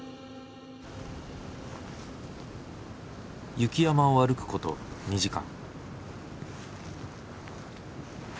雪山を歩くこと２時間。